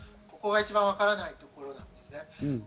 ここが一番わからないところですね。